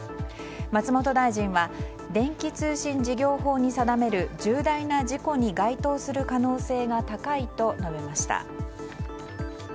松本大臣は、電気通信事業法に定める重大な事故に該当する可能性が高いと述べました。